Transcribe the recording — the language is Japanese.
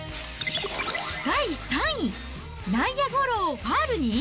第３位、内野ゴロをファールに？